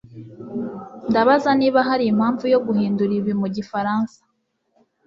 ndabaza niba hari impamvu yo guhindura ibi mu gifaransa